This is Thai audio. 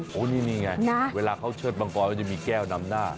โอ้โหนี่ไงเวลาเขาเชิดมังกรก็จะมีแก้วนำหน้า